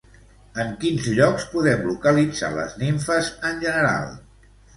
En quins llocs podem localitzar les nimfes en general?